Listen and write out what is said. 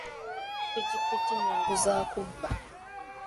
Piki piki nnyangu za kubba.